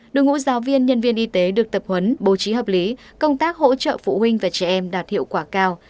đội ngũ giáo viên nhân viên y tế được tập huấn bố trí hợp lý công tác hỗ trợ phụ huynh và trẻ em đạt hiệu quả cao